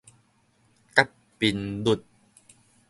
角頻率